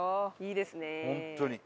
いいですね。